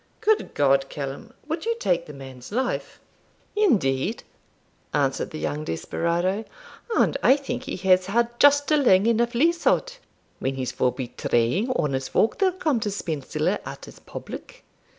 'Good God, Callum, would you take the man's life?' 'Indeed,' answered the young desperado, 'and I think he has had just a lang enough lease o 't, when he's for betraying honest folk that come to spend siller at his public.'